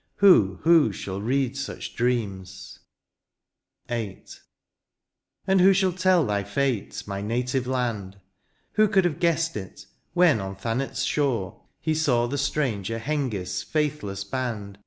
who, who shall read such dreams ? THE FUTURE. 135 VIII. And who shall tell thy fate, my native land ? Who could have guessed it, when on Thanet's shore He saw the stranger Hengisf s faithless band.